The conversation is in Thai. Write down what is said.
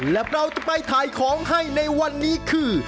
และเราจะไปถ่ายของให้ในวันนี้คือ